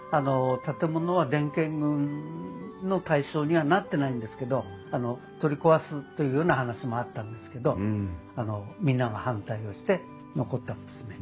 建物は伝建群の対象にはなってないんですけど取り壊すというような話もあったんですけどみんなが反対をして残ったんですね。